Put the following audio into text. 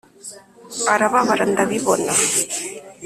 arababara ndabibona